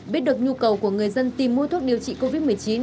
biết được nhu cầu của người dân tìm mua thuốc điều trị covid một mươi chín